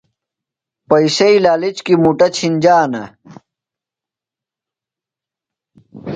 پئیسئی لالچ کیۡ مُٹہ چِھنجانہ۔